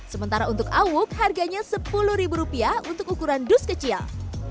sementara untuk awuk harganya sepuluh rupiah untuk ukuran dus kecil